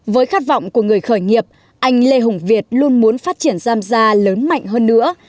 với khát vọng của người khởi nghiệp anh lê hùng việt luôn muốn phát triển giam da lớn mạnh hơn nữa